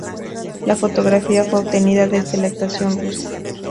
La fotografía fue obtenida desde la estación rusa.